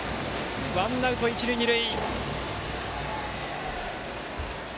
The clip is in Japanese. ワンアウト一塁二塁。